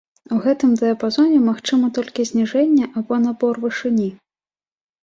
У гэтым дыяпазоне магчыма толькі зніжэнне або набор вышыні.